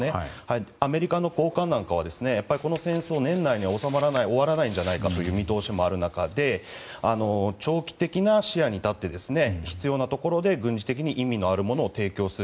アメリカの高官はこの戦争は年内には収まらない、終わらないという見通しもある中で長期的な視野に立って必要なところで軍事的に意味のあるものを提供する。